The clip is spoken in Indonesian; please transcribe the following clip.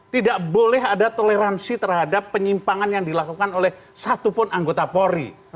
tidak boleh ada toleransi terhadap penyimpangan yang dilakukan oleh satupun anggota polri